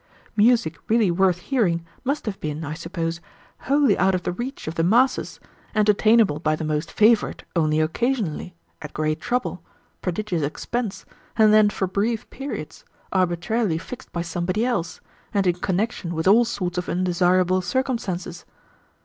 "Music really worth hearing must have been, I suppose, wholly out of the reach of the masses, and attainable by the most favored only occasionally, at great trouble, prodigious expense, and then for brief periods, arbitrarily fixed by somebody else, and in connection with all sorts of undesirable circumstances.